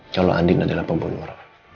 kalau andin adalah pembunuh